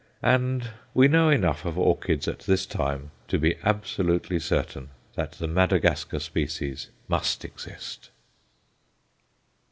And we know enough of orchids at this time to be absolutely certain that the Madagascar species must exist.